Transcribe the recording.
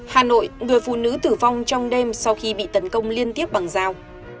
hà nội người phụ nữ tử vong trong đêm sau khi bị tấn công liên tiếp bằng dao